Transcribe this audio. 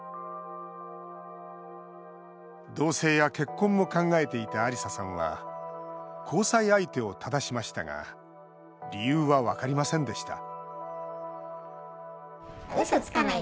同せいや結婚も考えていたアリサさんは交際相手をただしましたが理由は分かりませんでした